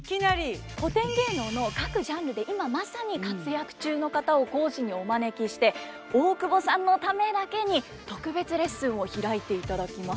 古典芸能の各ジャンルで今まさに活躍中の方を講師にお招きして大久保さんのためだけに特別レッスンを開いていただきます。